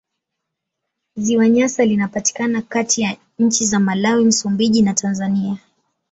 Ziwa Nyasa linapatikana kati ya nchi za Malawi, Msumbiji na Tanzania.